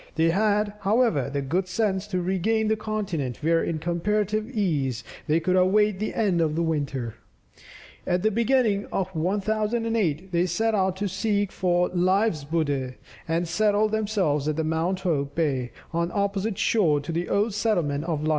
They had, however, the good sense to regain the continent, where in comparative ease, they could await the end of the winter. At the beginning of 1008, they set out to seek for Leifsbudir, and settled themselves at Mount Hope Bay, on the opposite shore to the old settlement of Leif.